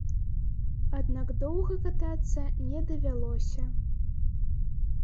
Аднак доўга катацца не давялося.